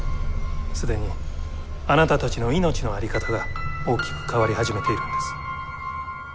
既にあなたたちの命のあり方が大きく変わり始めているんです。